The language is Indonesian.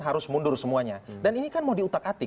harus mundur semuanya dan ini kan mau diutak atik